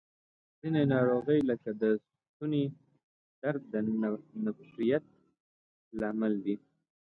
ځینې ناروغۍ لکه د ستوني درد د نفریت لامل دي.